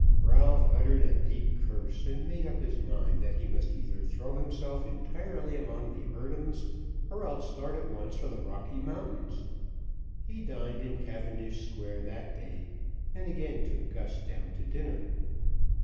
Ralph uttered a deep curse, and made up his mind that he must either throw himself entirely among the Eardhams, or else start at once for the Rocky Mountains. He dined in Cavendish Square that day, and again took Gus down to dinner.